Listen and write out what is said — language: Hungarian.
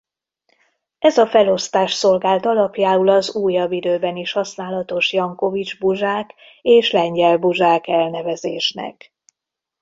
Ez a felosztás szolgált alapjául az újabb időben is használatos Jankovics-Buzsák és Lengyel-Buzsák elnevezésnek.